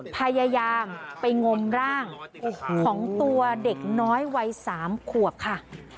พยายามไปงมร่างของตัวเด็กน้อยวัย๓ขวบค่ะ